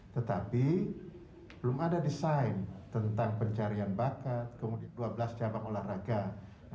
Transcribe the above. tetapi belum ada desain tentang pencarian bakat kemudian dua belas cabang olahraga